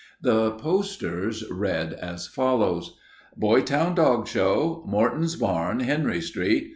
The posters read as follows: BOYTOWN DOG SHOW! _Morton's Barn, Henry Street.